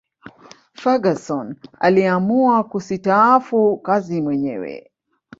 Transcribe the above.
ferguson aliamua kusitaafu kazi mwenyewe